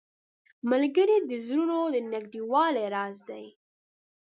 ملګری د زړونو د نږدېوالي راز دی